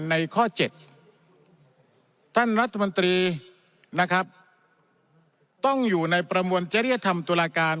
ในข้อ๗ท่านรัฐมนตรีนะครับต้องอยู่ในประมวลจริยธรรมตุลาการ